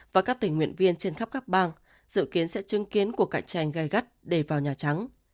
và các tình nguyện viên trên khắp các bang dự kiến sẽ chứng kiến cuộc cạnh tranh gai gắt để vào nhà trắng